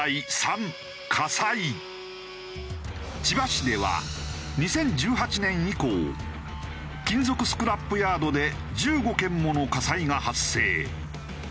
千葉市では２０１８年以降金属スクラップヤードで１５件もの火災が発生。